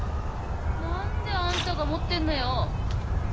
何であんたが持ってんのよ。